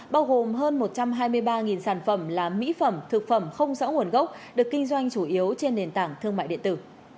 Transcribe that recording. bao gồm hơn một trăm hai mươi ba sản phẩm là mỹ phẩm thực phẩm không rõ nguồn gốc được kinh doanh chủ yếu trên nền tảng thương mại điện tử